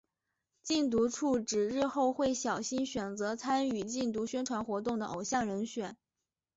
禁毒处指日后会小心选择参与禁毒宣传活动的偶像人选。